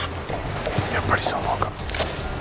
やっぱりそう思うか？